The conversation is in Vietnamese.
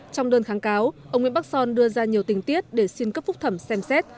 trong đơn kháng cáo ông nguyễn bắc son đưa ra nhiều tình tiết để xin cấp phúc thẩm xem xét